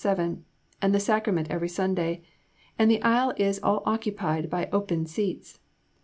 7, and the Sacrament every Sunday; and the aisle is all occupied by open seats.